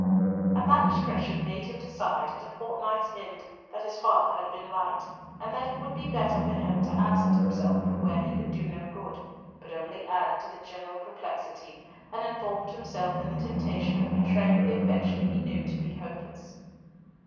And that discretion made him decide at a fortnight's end that his father had been right, and that it would be better for him to absent himself from where he could do no good, but only added to the general perplexity, and involved himself in the temptation of betraying the affection he knew to be hopeless.